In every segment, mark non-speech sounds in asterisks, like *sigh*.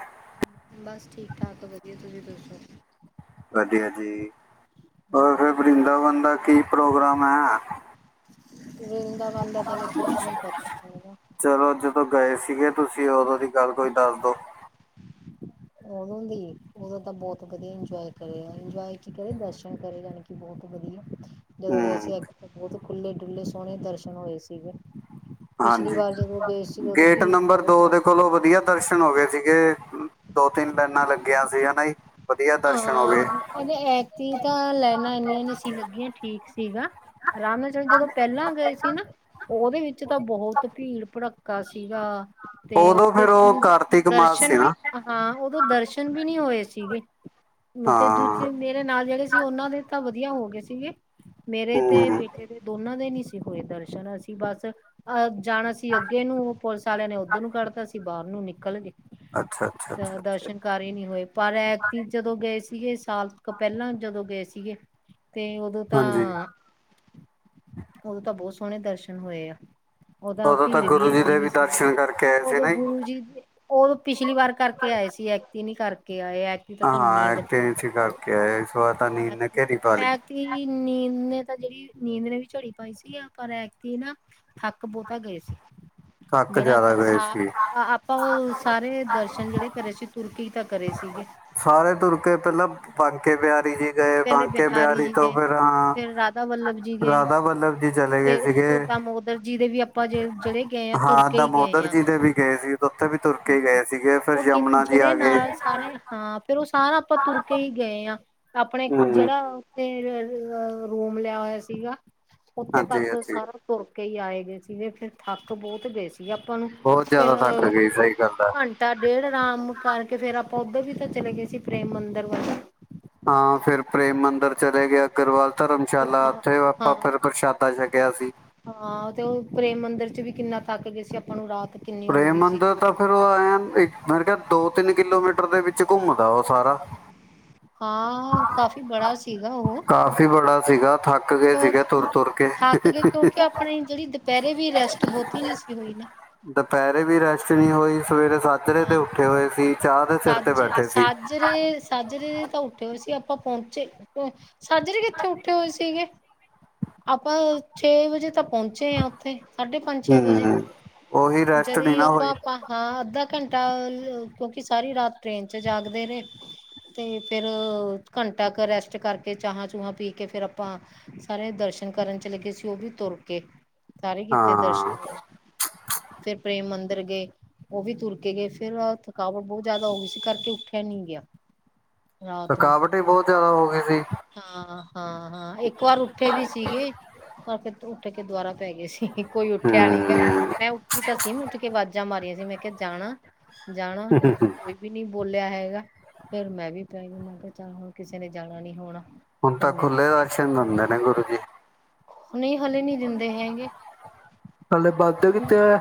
ਹਾਂ ਬਸ ਠੀਕ- ਠਾਕ ਅ ਵਧੀਆ, ਤੁਸੀਂ ਦੱਸੋ ਵਧੀਆ ਜੀ, ਹੋਰ ਫੇਰ ਵਰਿੰਦਾਵਨ ਦਾ ਕੀ ਪ੍ਰੋਗਰਾਮ ਐ। ਵਰਿਦਾਵਨ ਦਾ ਸਾਨੂ ਕੁਛ ਨੀ ਪਤਾ ਹੈਗਾ। ਚਲੋ ਜਦੋਂ ਗਏ ਸੀਗੇ ਤੁਸੀਂ ਉਦੋਂ ਦੀ ਗੱਲ ਕੋਈ ਦੱਸ ਦੋ ਉਦੋਂ ਦੀ ਉਦੋਂ ਤਾਂ ਬਹੁਤ ਵਧੀਆ ਇੰਜੋਏ ਕਰੇ, ਇੰਜੋਏ ਕੀ ਕਰੇ ਦਰਸ਼ਨ ਕਰੇ ਜਾਣੀ ਬਹੁਤ ਵਧੀਆ, ਜਦੋਂ ਗਏ ਹੂੰ ਸੀ ਅੱਗੇ ਬਹੁਤ ਖੁੱਲ੍ਹੇ ਡੁੇ ਸੋਹਣੇ ਦਰਸ਼ਨ ਹੋਏ ਸੀਗੇ। ਪਿਛਲੀ ਹਾਂਜੀ ਵਾਰ ਜਦੋਂ ਗਏ ਸੀ ਉਦੋਂ ਗੇਟ ਭੀੜ ਨੰਬਰ ਬਹੁਤ ਦੋ ਜ਼ਿਆਦਾ ਦੇ ਚਲੋ ਵਧੀਆ ਦਰਸ਼ਨ ਹੋ ਗਏ ਸੀਗੇ, ਦੋ- ਤਿੰਨ ਲਾਈਨਾਂ ਲੱਗੀਆਂ ਸੀ ਹਨਾ ਜੀ। ਵਧੀਆ ਆ ਦਰਸ਼ਨ ਹੋ ਗਏ ਇਹਦੇ ਐਤੀ ਤਾਂ ਲੈਨਾਂ ਇਨੀਆਂ ਨੀ ਸੀ ਲੱਗੀਆਂ ਠੀਕ ਸੀਗਾ। ਅਰਾਮ ਚਲ, ਜਦੋਂ ਪਹਿਲਾਂ ਗਏ ਸੀ ਨਾ ਉਹਦੇ ਵਿੱਚ ਤਾਂ ਬਹੁਤ ਭੀੜ- ਭੜੱਕਾ ਸੀਗਾ। ਤੇ ਉਦੋਂ ਉੱਥੇ ਫਿਰ ਤਾਂ ਉਹ ਕਾਰਤਿਕ ਮਾਸ ਦਰਸ਼ਨ ਸੀ ਵੀ ਨਾ ਹਾਂ ਉਦੋਂ ਦਰਸ਼ਨ ਵੀ ਨਹੀ ਹੋਏ ਸੀਗੇ। ਤੇ ਹਾਂ ਦੂਜੇ ਮੇਰੇ ਨਾਲ ਜਿਹੜੇ ਸੀ ਉਹਨਾਂ ਦੇ ਤਾਂ ਵਧੀਆ ਹੋ ਗਏ ਸੀਗੇ। ਮੇਰੇ ਤੇ ਹੂੰ ਬੇਟੇ ਦੇ ਦੋਨਾਂ ਦੇ ਨੀ ਸੀ ਕੋਈ ਦਰਸ਼ਨ, ਅਸੀਂ ਬਸ ਅ ਜਾਣਾ ਸੀ ਅੱਗੇ ਨੂੰ ਪੁਲਿਸ ਵਾਲਿਆਂ ਨੇ ਉਓਦੋਂ ਨੂੰ ਕੱਢਤਾ ਅਸੀ ਬਾਹਰ ਨੂੰ ਨਿਕਲ ਗੇ। ਅੱਛਾ ਅੱਛਾ ਤਾਂ ਅੱਛਾ ਅੱਛਾ ਜੀ। ਦਰਸ਼ਨਕਾਰੀ ਨਹੀਂ ਹੋਏ, ਪਰ ਇਹ ਜਦੋਂ ਗਏ ਸੀਗੇ, ਸਾਲ ਤੋਂ ਪਹਿਲਾਂ ਜਦੋਂ ਗਏ ਸੀਗੇ। ਤੇ ਉਦੋਂ ਤਾਂ ਹਾਂਜੀ ਉਦੋਂ ਤਾਂ ਬਹੁਤ ਸੋਹਣੇ ਦਰਸ਼ਨ ਹੋਏ ਆ। ਦਾ ਉਦੋਂ ਤਾਂ ਭੀੜ ਵੀ ਗੁਰੂ ਜੀ ਇੰਨੀ ਦੇ ਨੀ ਸੀਗੀ, ਦਰਸ਼ਨ ਕਰਕੇ ਆਏ ਸੀ ਉਦੋਂ ਨਾ ਗੁਰੂ ਜੀ ਦੇ ਉਹ ਪਿਛਲੀ ਵਾਰ ਕਰਕੇ ਆਏ ਸੀ ਐਕਤੀ ਨੀ ਕਰਕੇ ਆਏ। ਤਾਂ ਹ ਸਾਨੂੰ ਹਾਂ ਨੀਂਦ ਐਟੇ ਸੀ ਕਰਕੇ ਆਏ, ਇਸ ਬਾਰ ਤਾਂ ਨੀਂਦ ਨੇ ਘੇਰੀ ਪਾ ਲਈ। ਤੇ ਨੀਂਦ ਨੇ ਤਾਂ ਜਿਹੜੀ ਨੀਂਦ ਨੇ ਵੀ ਝੜੀ ਪਾਈ ਸੀ ਅ ਪਰ ਐਤਕੀ ਨਾ ਥੱਕ ਬਹੁਤਾ ਗਏ ਸੀ, ਥੱਕ ਜਿਹੜਾ ਜ਼ਿਆਦਾ ਆਪਾਂ ਗਏ ਸੀ ਸਾਹ ਆਪਾਂ ਉਹ ਸਾਰੇ ਦਰਸ਼ਨ ਜਿਹੜੇ ਕਰੇ ਸੀ ਤੁਰਕੀ ਤਾਂ ਕਰੇ ਸੀਗੇ। ਸਾਰੇ ਤੁਰ ਕੇ ਪਹਿਲਾਂ ਬਗਕੇ ਬਿਆਰੀ ਜੀ। ਗਏ, ਪਹਿਲੇ ਬਾਂਕੇ ਬਿਹਾਰੀ ਬਿਆਰੀ ਜੀ ਤੋਂ ਦੇ ਫਿਰ ਹਾਂ ਫਿਰ ਰਾਧਾ ਵੱਲਭ ਜੀ ਗਏ ਰਾਧਾ ਵੱਲਭ ਜੀ ਚਲੇ ਗਏ ਸੀਗੇ। ਦਰਜੀ ਦੇ ਵੀ ਆਪਾਂ ਜ ਜਿਹੜੇ ਗਏ ਆ ਤੁਰ ਹਾਂ ਕੇ ਹੀ ਗਏ ਦਮੋਦਰ ਆ ਜੀ ਦੇ ਵੀ ਗਏ ਸੀ ਉੱਥੇ ਵੀ ਤੁਰਕੇ ਗਏ ਸੀਗੇ, ਫਿਰ ਉਹ ਕਿ ਯਮੁਨਾ ਜੀ ਜਿਹੜੇ ਆ ਗਏ। ਨਾਲ ਸਾਰੇ ਹਾਂ ਫੇਰ ਉਹ ਸਾਰਾ ਆਪਾਂ ਤੁਰ ਕੇ ਈ ਗਏ ਆ। ਆਪਣੇ ਇੱਕ ਹਮ ਜਿਹੜਾ ਫੇਰ ਰੂਮ ਲਿਆ ਹੋਇਆ ਸੀਗਾ ਉੱਥੇ ਹਾਂਜੀ ਤੱਕ ਹਾਂਜੀ ਸਾਰਾ, ਤੁਰ ਕੇ ਹੀ ਆਏ ਗਏ ਸੀਗੇ ਫੇਰ ਥੱਕ ਬੋਤ ਗਏ ਸੀ। ਬੀ ਆਪਾਂ ਨੂੰ ਬਹੁਤ ਫੇਰ ਜ਼ਿਆਦਾ ਥੱਕ ਗਈ ਸਹੀ ਗੱਲ ਹੈ ਪਾਣੀ, ਤਾਂ ਡੇਢ ਆਰਾਮ ਕਰਕੇ ਫੇਰ ਆਪਾਂ ਉੱਧਰ ਵੀ ਤਾਂ ਚਲੇ ਗਏ ਸੀ ਪ੍ਰੇਮ ਮੰਦਰ ਵੱਲ। ਹਾਂ ਫੇਰ ਪ੍ਰੇਮ ਮੰਦਿਰ ਚਲੇ ਗਿਆਂ। ਅਗਰਵਾਲ ਧਰਮਸ਼ਾਲਾ ਉੱਥੇ ਆਪਾਂ ਹਾਂ ਫੇਰ ਪ੍ਰਸ਼ਾਦਾ ਛੱਕਿਆ ਸੀ। ਹਾਂ ਤੇ ਉਹ ਪ੍ਰੇਮ ਮੰਦਿਰ ਚ ਵੀ ਕਿੰਨਾ ਤੱਕ ਗਏ ਸੀ ਆਪਾਂ ਨੂੰ ਰਾਤ, ਕਿੰਨੀ ਹੋ ਪ੍ਰੇਮ ਗਈ ਸੀ। ਮੰੰਦਰ ਤਾਂ- ਫੇਰ ਉਹ ਐਨ ਇੱਕ ਮੈਂ ਕਿਹਾ ਦੋ ਤਿੰਨ ਕਿਲੋਮੀਟਰ ਦੇ ਵਿੱਚ ਘੁੰਮਦਾ ਵਾਂ ਸਾਰਾ। ਹਾਂ ਓ ਕਾਫੀ ਬੜਾ ਸੀਗਾ ਉਹ। ਫੀ ਬੜਾ ਸੀਗਾ ਥ- ਕਿਉਂਕਿ ਥੱਕ ਗਏ, ਕਿਉਂਕਿ ਆਪਣੀ ਜਿਹੜੀ ਦੁਪਹਿਰੇ ਵੀ ਰੈਸਟ ਬੋਤੀ ਨਹੀਂ ਸੀ ਹੋਈ ਨਾ। ਦੁਪਹਿਰੇ ਵੀ ਰੈਸਟ ਨਹੀਂ ਹੋਈ ਸਵੇਰੇ ਸਾਜਰੇ ਤੇ ਹਾਂ। ਉੱਠੇ ਹੋਏ ਸੀ ਚਾਹ ਦੇ ਸਿਰ ਤੇ ਬੈਠੇ ਸੀ। ਜਰੇ ਸਾਜਰੇ ਤਾਂ ਉੱਠੇ ਹੋਏ ਸੀ ਆਪਾਂ ਪਹੁੰਚੇ ਕਦੋਂ ਏ। ਸਜਰੇ ਕਿੱਥੇ ਉੱਠੇ ਹੋਏ ਸੀਗੇ, ਆਪਾਂ ਛੇ ਵਜੇ ਤ- ਪਹੁੰਚੇ ਹਾਂ ਉੱਥੇ ਸਾਢੇ ਪੰਜ-ਛੇ ਵਜੇ, ਹੂੰ ਉਹੀ ਰੈਸਟ ਜਦ ਨਹੀਂ ਨਾ ਹੋਈ ਆਪਾਂ ਪਾਂ- ਹਾਂ ਅੱਧਾ ਘੰਟਾ ਕਿਉਂਕਿ ਸਾਰੀ ਰਾਤ ਟ੍ਰੇਨ ' ਚ ਜਾਗਦੇ ਰਹੇ। ਤੇ ਫੇਰ ਘੰਟਾ ਕੁ ਰੈਸਟ ਕਰਕੇ ਚਾਹਾਂ- ਚੂਹਾਂ ਪੀ ਕੇ ਫੇਰ ਆਪਾਂ, ਸਾਰੇ ਦਰਸ਼ਨ ਕਰਨ ਚਲੇ ਗਏ ਸੀ ਉਹ ਵੀ ਤੁਰ ਕੇ, ਸਾਰੇ ਕੀਤੇ ਹਾਂ ਦਰਸ਼ਨ। ਫੇਰ ਪ੍ਰੇਮ ਮੰਦਰਿਰ ਗਏ, ਉਹ ਵੀ ਤੁਰ ਕੇ ਗਏ ਫੇਰ- ਥਕਾਵੜ ਬੋਤ ਜ਼ਾਦਾ ਹੋ ਗਈ ਸੀ ਇਸ ਕਰਕੇ ਉੱਠਿਆ ਨੀ ਗਿਆ। ਰਾਤ ਨੂੰ ਥਕਾਵਟ ਹੀ ਬੋਤ ਜਾਦਾ ਹੋ ਗਈ ਸੀ। ਹਾਂ- ਹਾਂ ਇੱਕ ਵਾਰ ਉੱਠੇ ਵੀ ਸੀਗੇ। ਪਰ ਫੇਰ ਉੱਠ ਕੇ ਦੁਬਾਰਾ ਪੈ ਗਏ ਸੀ ਕੋਈ ਉੱਠਿਆ ਨੀ ਗਾ, ਹੂੰ ਮੈਂ- ਕੀ ਤਾਂ ਸੀ ਵੀ ਉੱਠ ਕੇ ਆਵਾਜ਼ਾਂ ਮਾਰੀਆਂ ਸੀ ਮੈਂ ਕਿਹਾ ਜਾਣਾ- ਜਾਣਾ ਵੀ- ਵੀ ਨੀ ਬੋਲਿਆ ਹੈਗਾ, ਫੇਰ ਮੈਂ ਵੀ ਪੈ ਗਈ ਮੈਂ ਕਿਹਾ ਚੱਲ ਹੁਣ ਕਿਸੇ ਨੇ ਜਾਣਾ ਨੀ ਹੋਣਾ। ਹੁਣ ਫੇਰ ਤਾਂ ਮੈਂ, ਖੁੱਲੇ ਦਰਸ਼ਨ ਦਿੰਦੇ ਨੇ ਗੁਰੂ ਜੀ ਨਹੀਂ ਹਲੇ ਨਹੀਂ ਦਿੰਦੇ ਹੈਗੇ। ਥੱਲੇ ਵੱਧਦੇ ਕਿਤੇ ਹੈ।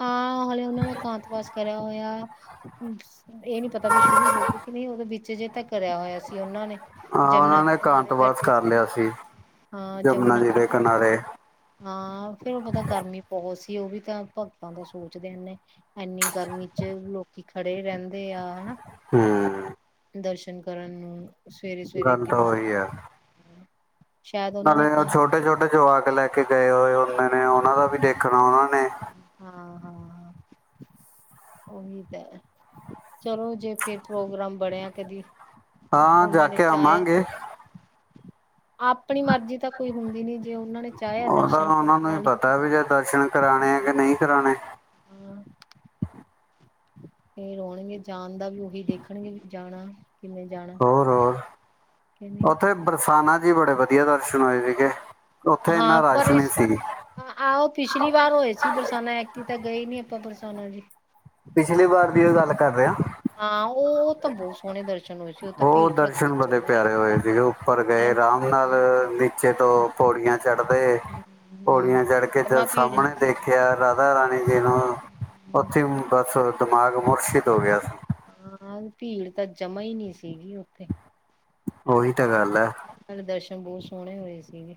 ਹਾਂ ਹਲੇੇ ਉਹਨਾਂ ਨੇ ਕਾਂਤਵਾਸ ਕਰਿਆ ਹੋਇਆ। ਇਹ ਨੀ ਪਤਾ ਵੀ ਸ਼ੁਰੂ ਹੋ ਗਈ ਕਿ ਨਹੀਂ ਹੋ ਗਏ ਵਿੱਚ ਜੇ ਤਾਂ ਕਰਿਆ ਹੋਇਆ ਸੀ ਉਹਨਾਂ ਨੇ। ਹਾਂ ਯਮੁਨਾ ਉਹਨਾਂ ਦੇ ਨੇ ਕਿਨਾਰੇ ਕਾਂਤਵਾਸ ਬੈਠੇ ਕਰ ਸੀ, ਲਿਆ ਹਾਂ ਜਮਨਾ ਯਮੁਨਾ ਜੀ ਦੇ ਕਿਨਾਰੇ। ਹਾਂ ਫੇਰ ਮਲਬ ਗਰਮੀ ਬਹੋਤ ਸੀ, ਉਹ ਵੀ ਤਾਂ। ਬਾਬਾ ਸੋਚਦੇ ਹੋ ਨੇ ਇਨੀ ਗਰਮੀ ਚ ਲੋਕੀ ਖੜੇ ਰਹਿੰਦੇ ਆ, ਹਨਾ। ਹੂੰ ਦਰਸ਼ਨ ਕਰਨ ਨੂੰ ਸਵੇਰੇ- ਸਵੇਰੇ ਗੱਲ ਤਾਂ ਕਿੰਨਾ। ਉਹੀ ਹੈ ਸ਼ਾਇਦ ਉਹਨਾਂ ਨਾਲੇ ਨੇ ਤਾਂ ਹੀ ਛੋਟੇ- ਛੋਟੇ ਜਵਾਕ ਲੈ ਕੇ ਗਏ ਹੋਏ ਹੁੰਦੇ ਨੇ ਉਹਨਾਂ ਦਾ ਵੀ ਦੇਖਣਾ ਉਹ ਨੇ। ਹਾਂ- ਹਾਂ, ਹਾਂ। ਉਹੀ ਤਾਂ, ਚਲੋ ਜੇ ਫੇਰ ਪ੍ਰੋਗਰਾਮ ਬਣਿਆ ਕਦੀ। ਹਾਂ ਜਾ ਉਹਨਾਂ ਨੇ ਕੇ ਚਾਹਿਆ ਆਵਾਂਗੇ ਤਾਂ। ਆਪਣੀ ਮਰਜ਼ੀ ਤਾਂ ਕੋਈ ਹੁੰਦੀ ਨੀ ਜੇ ਉਹਨਾਂ ਨੇ। ਚਾਹਿਆ ਉਹ ਤਾਂ ਦਰਸ਼ਨ ਉਹਨਾ ਕਰਾਉਣ ਨੂੰ ਹੀ ਵਾਲੀ ਪਤਾ ਵੀ ਜੇ ਦਰਸ਼ਨ ਕਰਾਣੇ ਏ ਕਿ ਨਹੀਂ ਕਰਾਣੇ। ਹੂੰ। ਤੇ ਰੋਣਗੇ ਜਾਣ ਦਾ ਵੀ ਉਹੀ ਦੇਖਣਗੇ ਵ ਜਾਣਾ ਕਿਵੇਂ ਜਾਣਾ। ਹੋਰ-ਹੋਰ ਕਿ ਨਹੀਂ ਉੱਥੇ ਬਰਸਾਨਾ ਜੀ ਬੜੇ ਵਧੀਆ ਦਰਸ਼ਨ ਹੋਏ ਸੀਗੇ। ਉੱਥੇ ਹਾਂ ਇੰਨਾ ਪਰ ਰਸ਼ ਨਹੀਂ ਇਸ। ਸੀ ਆਹੋ ਪਿਛਲੀ ਵਾਰ ਹੋਏ ਸੀ ਬਰਸਾਨਾ, ਐਤਕੀਂ ਤਾਂ ਗਏ ਨੀ ਆਪਾਂ ਬਰਸਾਨਾ ਜੀ। ਪਿਛਲੀ ਵਾਰ ਦੀ ਓ ਗੱਲ ਕੱਰ ਰੇਆ। ਹਾਂ, ਓ ਤਾਂ ਬੋ ਸ। ਅੋਰ ਦਰਸ਼ਨ ਬੜੇ ਹੀ ਪੇਆਰੇ ਨਹੀਂ ਹੋਏ ਸੀ ਸੀਗੇ ਉੱਪਰ ਗਏ ਐਨ ਰਾਮ ਨਾਲ ਹੂੰ ਨੀਚੇ ਤੋ ਪੋੜੀਆਂ ਚੜਪੇ, ਪੋੜੀਆਂ ਚੜ ਕੇ ਤੇ ਓ ਜਮਾ ਭੀੜ ਨੀ ਸਾਮਣੇ ਸੀਗੀ ਦੇਖਿਆ ਰਾਧਾ ਰਾਣੀ ਜੀ ਨੂੰ। ਓਥੇ ਹੂੰ ਬੱਸ ਦਮਾਗ ਮੁਰਸ਼ਿਦ ਹੋ ਗੇਆ ਸੀ। ਹਾਂ ਭੀੜ ਤਾਂ ਜਮਾ ਈ ਨੀ ਸੀਗੀ ਓਥੇ। ਉਹੀ ਤਾਂ ਗੱਲ ੲੈ ਸਾਡੇ ਦਰਸ਼ਨ ਬੋ ਸੋਣੇ ਹੋਏ ਸੀਗੇ।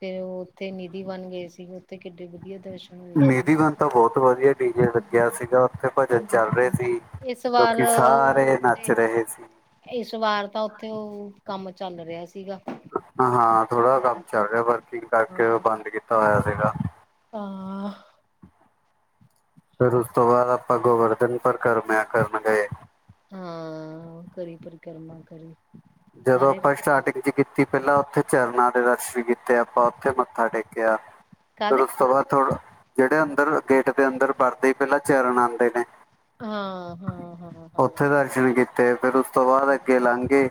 ਫੇਰ ਓਥੇ ਨਿਧੀ ਵਾਣ ਗੇਸੀਗੇ, ਉੱਥੇ ਕਿੱਡੇ ਵਧੀਆ ਦਰਸ਼ ਨਿਧੀਵਣ ਤਾਂ ਬੋਤ ਵਧੀਆ ਡੀ ਜੇ ਲੱਗੇਆ ਸੀਗਾ ਓਥੇ ਭਜਨ ਹੂੰ ਚੱਲ ਰੇ ਸੀ। ਇਸ ਵਾਰ ਲੋਕੀ ਓ ਸਾਰੇ ਓਤੇ। ਨੱਚ ਰਹੇ ਸੀ ਇਸ ਵਾਰ ਤਾਂ ਉੱਥੇ ਓ, ਕੰਮ ਚੱਲ ਰੇਆ ਸੀਗਾ। ਹਾਂ, ਥੋੜਾ ਕੰਮ ਚੱਲ ਰੇਆ, ਵਰਕਿੰਗ ਕੱਰਕੇ ਓ ਹਾਂ ਬੰਦ ਕੀਤਾ ਹੋਆ ਸੀਗਾ। ਤਾਂ ਫੇਰ ਉਸ ਤੋਂ ਬਾਅਦ ਆਪਾਂ ਗੋਵਰਧਨ ਪਰਕਰਮਾਐ ਕਰਨ ਗਏ। ਹਾਂ, ਕਰੀ ਪਰਿਕਰਮਾ ਕਰੀ। ਜਦੋਂ ਸਾਰੇ ਅਪਾਂ ਰਸਤੇ ਸਟਾਟਿੰਗ ਚ ਕੀਤੀ। ਪੈਲਾ ਓਥੇ ਚਰਨਾ ਦੇ ਦਰਸ਼ਨ ਕੀਤੇ ਅਪਾ ਓਥੇ ਮੱਥਾ ਟੇਕੇਆ। ਫੇਰ ਕਾਹਦੇ ਉਸ ਤੋਂ ਬਾਅਦ ਥੋੜਾ, ਜੇੜੇ ਅੰਦਰ ਗੇਟ ਦੇ ਅੰਦਰ ਵੜਦੇ ਈ ਪੈਲਾ ਚਰਨ ਆਦੇ ਨੇ। ਹਾਂ, ਹਾਂ, ਹਾਂ, ਹਾਂ। *unintelligible* ਕੀਤੇ ਫੇਰ ਉਸ ਤੋਂ ਬਾਅਦ ਅੱਗੇ ਲੰਘ ਗੇ।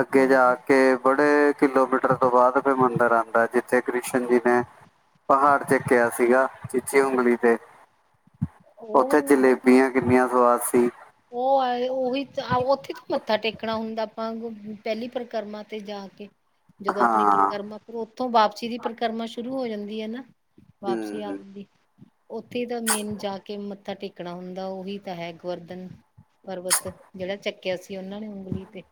ਅੱਗੇ ਜਾ ਹਾਂ ਕੇ, ਬੜੇ ਕਿਲੋਮੀਟਰ ਤੋਂ ਬਾਅਦ ਫੇਰ ਮੰਦਰ ਆਦਾ ਜਿੱਥੇ ਕ੍ਰਿਸ਼ਨ ਜੀ ਨੇ- ਪਹਾੜ ਚੱਕੇਆ ਸੀਗਾ ਚੀਚੀ ਉਗਲੀ ਤੇ। ਓਥੇ ਉਹ ਜਲੇਬੀਆ ਕਿੰਨੀਆ ਸਵਾਦ ਸੀ। ਓ ਅਏ ਓਹੀ ਤਾ ਆਓ ਉੱਥੇ ਤਾਂ ਮੱਥਾ ਟੇਕਣਾ ਹੁੰਦਾ ਆਪਾਂ ਪੈਲੀ ਪਰਕਰਮਾ ਤੇ ਜਾ ਕੇ। ਜਦੋਂ ਅਪਣੀ ਹਾਂ ਪਰਕਰਮਾ ਕਰੋ ਓਥੋ ਵਾਪਸੀ ਦੀ ਪਰਕਰਮਾ ਸ਼ੁਰੂ ਹੋ ਜਾਂਦੀ ੲੈ ਨਾ। ਵਾਪਸੀ ਹੂੰ ਆਣ ਦੀ। ਓਥੇ ਤਾਂ ਮੇਨ ਜਾ ਕੇ ਮੱਥਾ ਟੇਕਣਾ ਹੁੰਦਾ ਓਹੀ ਤਾਂ ਹੈ ਗਵਰਧਨ। ਪਰਬਤ ਜੇੜਾ ਚੱਕੇਆ ਸੀ ਓਨਾ ਨੇ ਉਗਲੀ ਤੇ।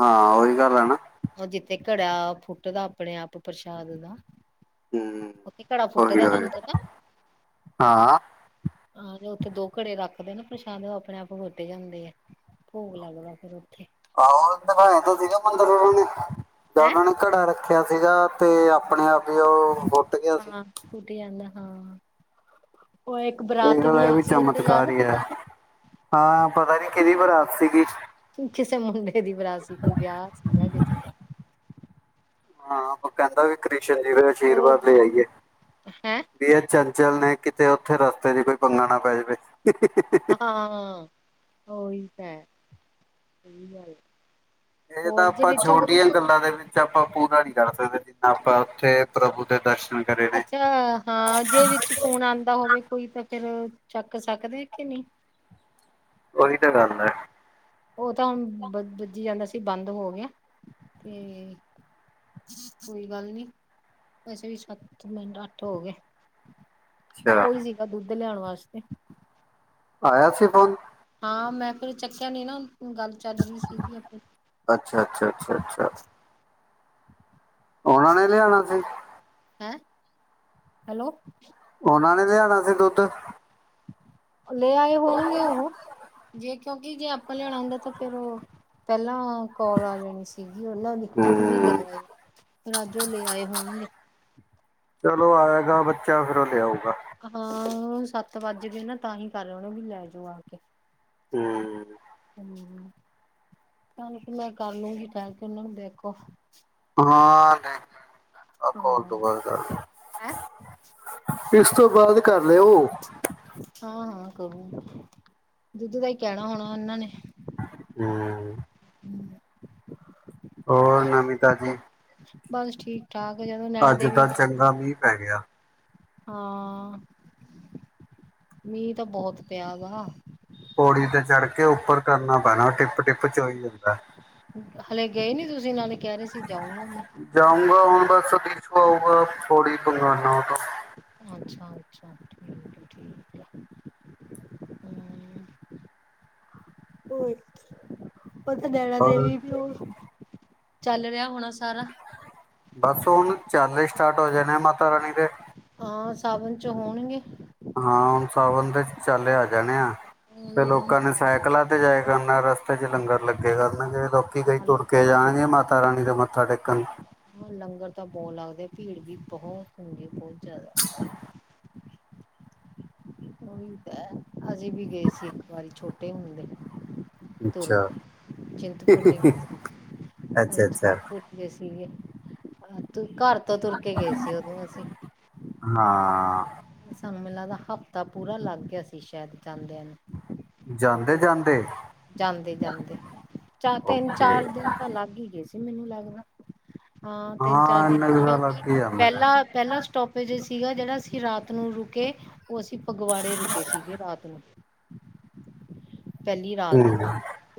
ਹਾਂ, ਓਈ ਗੱਲ ੲੈ ਨਾ ਓ, ਜਿੱਥੇ ਘੜਾ ਫੁੱਟ ਦਾ ਆਪਣੇ ਆਪ ਪ੍ਰਸ਼ਾਦ ਦਾ ਹੂੰ ਓਥੇ ਘੜਾ ਫੁੱਟ ਉਹੀ ਦਾ ਉਹੀ ਤਾਨੂੰ ਪਤਾ? ਹਾਂ ਹਾਂ ਜੋ ਉੱਥੇ ਦੋ ਘੜੇ ਰੱਖਦੇ ਪਰਸ਼ਾਦ ਅਪਣੇ ਆਪ *unintelligible* ਜਾਦੇ ਐ, ਭੋਗ ਲੱਗਦਾ ਫੇਰ ਓਥੇ ਹੈਂ *unintelligible* ਕੜਾ ਰੱਖੇਆ ਸੀਗਾ, ਤੇ ਆਪਣੇ ਆਪ ਈ ਓ ਫੋ ਹਾਂ ਟੁੱਟ ਯਾਦਾ ਹਾਂ, ਓਏ ਏਕ ਬਰਾਤ ਦੇਖ ਵੀ ਹੈਈ ਸੀ ਓਥੇ ਯਾਦ ਆ ਆ ਪਤਾ ਨੀ ਕਿਦੀ ਬਰਾਤ ਸੀ ਗੀ। ਕਿਸੇ ਮੁੰਡੇ ਦੀ ਬਰਾਤ ਸੀ ਕੋਈ ਵੇਆ ਸੀਗਾ ਕਿਸੇ ਹਾਂ ਓ ਕੈੰਦਾ ਵੀ ਕ੍ਰਿਸ਼ ਜੀ ਦਾ ਅਸ਼ੀਰਵਾਦ ਲੇ ਆਈਏ। ਹੈਂ ਵੀ ਏ ਚੰਚਲ ਨੇ ਕਿਤੇ ਓਥੇ ਰਸਤੇ ਦੀ ਕੋਈ ਪੰਗਾ ਨਾ ਪੈ ਜਵੇ। *unintelligible* ਆ, ਹਾਂ ਓਹੀ ਹੈ, ਕੀ ਗੱਲ ਏ ਹੋਰ ਤਾਂ ਜੇ ਅਪਾਂ ਵਿੱਚ ਛੋਟੀਆ ਗੱਲਾ ਦੇ ਵਿੱਚ ਚ ਅਪਾ ਪੂਰਾ ਨੀ ਕੱਰ ਸਕਦੇ, ਜਿਨਾ ਅਪਾ ਓਥੇ ਪ੍ਰਭੂ ਦੇ ਦਰਸ਼ਨ ਕਰੇ ਨੇ ਅੱਛਾ। ਹਾਂ ਜੇ ਵਿੱਚ ਫੋਨ ਆਉਂਦਾ ਹੋਵੇ ਕੋਈ ਤਾਂ ਫੇਰ, ਚੱਕ ਸਕਦੇ ਕੇ ਨਹੀਂ। ਉਹੀ ਤਾਂ ਗੱਲ ਹੈ। ਉਹ ਤਾਂ ਹੁਣ ਬ ਵੱਜੀ ਜਾਂਦਾ ਸੀ ਬੰਦ ਹੋ ਗਿਆ, ਤੇ ਕੋਈ ਗੱਲ ਨੀ। ਅਸੇ ਵੀ ਸੱਤ ਮਿੰਟ ਅੱਠ ਹੋ ਗਏ। ਅੱਛਾ ਉਹੀ ਸੀਗਾ ਦੁੱਧ ਲਿਆਉਣ ਵਾਸਤੇ। ਆਇਆ ਸੀ ਫੋਨ। ਹਾਂ ਮੈਂ ਫੇਰ ਚੱਕਿਆ ਨੀ ਨਾ ਗੱਲ ਚਾਲ ਰਹੀ ਸੀਗੀ ਆਪੇ ਅੱਛਾ-ਅੱਛਾ, ਅੱਛਾ-ਅੱਛਾ। ਉਹਨਾਂ ਨੇ ਲਿਆਉਣਾ ਸੀ? ਹੈਂ, ਹੈਲੋ। ਉਹਨਾਂ ਨੇ ਲਿਆਣਾ ਸੀ ਦੁੱਧ? ਲੈ ਆਏ ਹੋਣਗੇ ਉਹ, ਜੇ ਕਿਉਂਕਿ ਜੇ ਆਪਾ ਲਿਆਣਾ ਆਉਂਦਾ ਤਾਂ ਫੇਰ ਉਹ, ਪਹਿਲਾਂ ਕੋਲ ਆ ਜਾਣੀ ਸੀਗੀ ਉਹਨਾਂ ਦੀ, ਵੀ ਲੈ ਹੂੰ ਆਏ ਫੇਰ ਅੱਜ ਉਹ ਲੈ ਆਏ ਹੋਣਗੇ। ਚਲੋ ਆਏਗਾ ਬੱਚਾ ਫੇਰ ਉਹ ਲਿਆ ਆਉਗਾ। ਹਾਂ ਹੁਣ ਸੱਤ ਵੱਜ ਗੇ ਨਾ ਤਾਂ ਹੀ ਕਰ ਰਹੇ ਹੋਣੇ ਵੀ ਲੈ ਜਾਓ ਆ ਕੇ। ਹੂੰ। ਹੂੰ ਕਮ ਤੇ ਮੈਂ ਕਰ ਲੂੰਗੀ ਬਹਿ ਕੇ ਉਹਨਾਂ ਨੂੰ ਦੇਖੋ। ਹਾ। ਆ ਕਾਲ ਹਾਂ ਤੋਂ ਬਾਅਦ ਕਰਦਾ, ਹੈਂ ਇਸ ਤੋਂ ਬਾਅਦ ਕਰ ਲਿਓ। ਹਾਂ- ਹਾਂ ਕਰੋ-ਕਰੋ, ਦੁਧ ਦਾ ਹੀ ਕਹਿਣਾ ਹੋਣਾ ਇਹਨਾਂ ਨੇ। ਹੂੰ। ਹੋਰ ਨਵੀ ਤਾਜੀ? ਬਸ ਠੀਕ- ਠਾਕ ਜਦੋਂ ਨੈਣਾ ਦੇਵੀ ਗਏ ਸੀ। ਤਾ, ਮੀਂਹ ਪੈ ਗਿਆ। ਹਾਂ, ਮੀਂਹ ਤਾਂ ਬਹੋਤ ਪਿਆ ਵਾ। ਪੌੜੀ ਤੇ ਚੜ ਕੇ ਉੱਪਰ ਕਰਨਾ ਪੈਣਾ ਟਿੱਪ- ਟਿੱਪ ਚੋਈ- ਹਲੇ ਗਏ ਨੀ ਤੁਸੀਂ, ਨਾਲੇ ਕਹਿ ਰਹੇ ਸੀ ਜਾਊਂਗਾ ਮੈਂ। ਜਾਊਂਗਾ ਹੁਣ ਬਸ ਬੀਚ ਆਊਗਾ ਥੋੜੀ ਕੰਗਾਨਣਾ ਗਾ। ਅੱਛਾ- ਅੱਛਾ ਠੀਕ ਏ-ਠੀਕ ਏ ਹੂ। ਹੋਰ? ਉਹ ਤਾਂ ਨੈਣਾਂ ਔਰ ਦੇਵੀ ਵੀ ਉਹ, ਚੱਲ ਰਿਹਾ ਹੋਣਾ ਸਾਰਾ। ਬਸ ਹੁਣ ਚੱਲੇ ਸਟਾਰਟ ਹੋ ਜਾਣੇ ਮਾਤਾ ਰਾਣੀ ਦੇ। ਹਾਂ ਸਾਵਨ ਚ ਹੋਣਗੇ। ਹਾਂ ਹੁਣ ਸਾਵਨ ਦੇ ਚਾਲੇ ਆ ਜਾਣੇ ਆ, ਹਾਂ ਤੇ ਲੋਕਾਂ ਨੇ ਸਾਈਕਲਾਂ 'ਤੇ ਜਾਏ ਕਰਨਾ ਰਸਤੇ 'ਚ ਲੰਗਰ ਲੱਗੇਗਾ ਕਰਨਗੇ ਲੋਕ ਕਿਵੇ ਤੁਰ ਕੇ ਲੰਗਰ ਤਾਂ ਬਹੁਤ ਜਾਣਗੇ ਲੱਗਦਾ। ਮਾਤਾ ਰਾਣੀ ਦੇ ਮੱਥਾ ਟੇਕਣ। ਹਾਂ ਲੰਗਰ ਤਾਂ ਬੋਤ ਲੱਗਦੇ, ਭੀੜ ਵੀ ਬਹੋਤ ਹੁੰਦੀ ਬਹੋਤ ਜ਼ਿਆਦਾ। ਉਹੀ ਤਾਂ ਹੈ, ਅਸੀਂ ਵੀ ਗਏ ਸੀ ਇੱਕ ਵਾਰੀ ਛੋਟੇ ਹੁੰਦੇ। ਤੁਰ ਅੱਛਾ ਕੇ ਚਿੰਤਪੂਰੁਰਨੀ ਹਾਏ ਅੱਛਾ ਸੀ ਅੱਛਾ ਚਿੰਤਪੁਰਨੀ। ਗਏ ਸੀਗੇ ਘਰ ਤੋਂ ਤੁਰ ਕੇ ਗਏ ਸੀ ਉਦੋਂ ਅਸੀਂ। ਹਾਂ। ਸਾਨੂੰ ਮੈਨੂੰ ਲੱਗਦਾ ਹਫ਼ਤਾ ਪੂਰਾ ਲੱਗ ਗਿਆ ਸੀ ਸ਼ਾਇਦ ਜਾਂਦਿਆਂ ਨੂੰ। ਜਾਂਦੇ ਜਾਂਦੇ ਜਾਂਦੇ-ਜਾਂਦੇ, ਚਾ ਓਕੇ ਤੇਨ-ਚਾਰ ਦੇਨ ਤਾਂ ਲੱਗ ਈ ਗਏ ਸੀ। ਮੈਨੂੰ ਲੱਗਦਾ, ਹਾਂ ਤੇਨ-ਚਾਰ ਦੇਨ ਇੰਨਾ ਕੁ ਤਾਂ ਕੇਉਂਕਿ ਲੱਗ ਹੀ ਜਾਂਦਾ ਪੈਲਾਂ ਪੈਲਾ ਸਟੋਪੇਜ ਸੀਗਾ ਜੇੜਾ ਅਸੀਂ ਰਾਤ ਨੂੰ ਰੁਕੇ, ਓ ਅਸੀਂ ਫਗਵਾੜੇ ਰੁਕੇ ਸੀਗੇ ਰਾਤ ਨੂੰ। ਪੈਲੀ ਰਾਤ, ਹੂੰ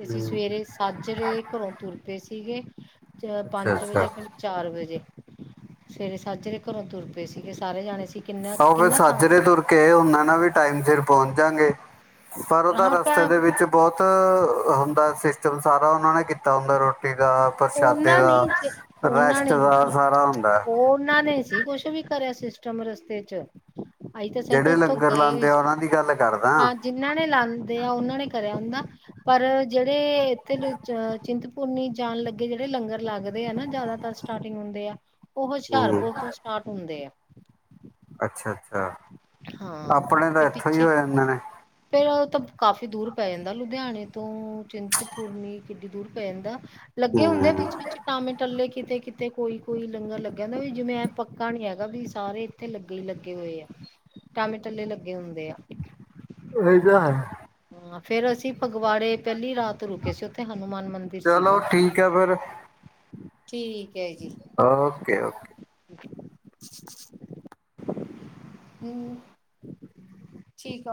ਏਸੀਂ ਸਵੇਰੇ ਸਾਜਰੇ ਘਰੋਂ ਤੁਰ ਪਏ ਸੀਗੇ, ਚੈ ਅੱਛਾ ਪੰਜ ਵਜੇ ਅੱਛਾ ਖਨੀ ਚਾਰ ਵਜੇ, ਸਵੇਰੇ ਸਾਜਰੇ ਘਰੋਂ ਤੁਰ ਪਏ ਸੀਗੇ ਸਾਰੇ ਜਾਣੇ ਅਸੀ ਕੀਨਾ ਓ ਫੇਰ ਸਜਰੇ ਤੁਰ ਕੇ ਆਏ ਓਨਾ ਨਾ ਵੀ ਟਾਈਮ ਸੇਰ ਪੌਂ ਜਾਗੇ। ਪਰ ਓ ਤਾਂ ਰਸਤੇ ਦੇ ਵਿੱਚ ਬਹੋਤ ਹੁੰਦਾ ਸੀਸਟਮ ਸਾਰਾ ਓਨਾਂ ਨੇ ਕੀਤਾ ਹੁੰਦਾ ਰੋ ਰੋਟੀ ਦਾ, ਪ੍ਰਸ਼ਾਦੇ ਉਹਨਾਂ ਦਾ, ਨਹੀਂ ਰੈਸਟ ਦਾ, ਸਾਰਾ ਹੁੰਦਾ ਆ। ਨਾ ਨੇ ਸੀ ਕੁਛ ਵੀ ਕਰੇਆ ਸੀਸਟਮ ਰਸਤੇ ਚ। ਅਸੀ ਤਾਂ ਸੀਰਫ਼ ਜਿਹੜੇ ਏਥੋਂ ਲੰਗਰ ਗਏ ਲਾਉਂਦੇ ਆ ਸੀ, ਉਹਨਾਂ ਦੀ ਗੱਲ ਕਰਦਾ। ਹਾਂ ਜੀਨਾਂ ਨੇ ਲਾਂਦੇ ਆ ਓਨਾਂ ਨੇ ਕਰੇਆ ਹੁੰਦਾ। ਪਰ ਜੇੜੇ ਏਥੇ ਵੇਚ ਚੀਂਤਪੁਰਨੀ ਜਾਣ ਲੱਗੇ ਜੇੜੇ ਲੰਗਰ ਲੱਗਦੇ ਆ ਨਾ ਜਾਦਾਤਰ ਸਟਾਰਟੀਂਗ ਹੁੰਦੇ ਆ ਉਹ ਹੂੰ। ਹਛੇਆਰਪੁਰ ਤੋਂ ਸਟਾਟ ਹੁੰਦੇ ਆ। ਅੱਛਾ-ਅੱਛਾ, ਹਾਂ ਆਪਣੇ ਤਾਂ ਤੇ ਏਥੋਂ ਪਿੱਛੇ ਹੋ ਜਾਦੇ ਨੇ। ਫੇਰ ਤਾਂ ਕਾਫ਼ੀ ਦੂਰ ਪੈ ਜਾਂਦਾ ਲੁਦੇਆਣੇ ਤੋਂ ਚੀਂਤਪੁਰਨੀ ਕੀਡੀ ਦੂਰ ਪੈ ਜਾਂਦਾ। ਲੱਗੇ ਹੁੰਦੇ ਹੂੰ। ਵੀਚ ਟਾਂਵੇ ਟੱਲੇ ਕੀਤੇ-ਕੀਤੇ ਕੋਈ-ਕੋਈ ਲੰਗਰ ਲੱਗ ਜਾਂਦਾ ਵੀ ਜੀਵੇਂ ਪੱਕਾ ਨੀ ਹੈਗਾ ਵੀ ਸਾਰੇ ਏਥੇ ਲੱਗੇ ਹੀ ਲੱਗੇ ਹੋਏ ਆ ਟਾਂਵੇ ਟੱਲੇ ਲੱਗੇ ਹੁੰਦੇ ਆ। ਏ ਤਾਂ ਹੈ। ਹਾਂ ਫੇਰ ਅਸੀਂ ਫਗਵਾੜੇ ਪੈਲੀ ਰਾਤ ਤੋਂ ਰੁਕੇ ਸੀ ਓਥੇ ਹਨੂੰਮਾਨ ਮੰਦ ਚਲੋ ਸੀਗਾ, ਠੀਕ ਹੈ ਫਿਰ ਠੀਕ ਏ ਜੀ। ਓਕੇ-ਓਕੇ। ਹੂੰ, ਠੀਕ ਆ।